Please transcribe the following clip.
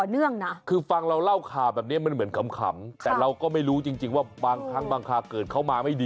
เออดูเหมาะดีว่ากันไปเนอะ